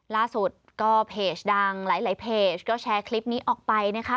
ล่าสุดก็เพจดังหลายเพจก็แชร์คลิปนี้ออกไปนะคะ